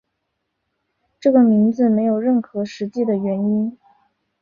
这个名字没有任何实际的原因。